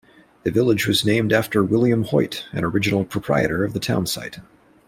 The village was named after William Hoyt, an original proprietor of the town site.